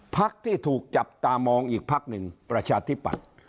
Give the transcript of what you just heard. พักที่ถูกจับตามองอีกพักหนึ่งประชาธิปัตย์